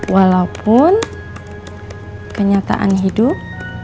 walaupun kenyataan hidup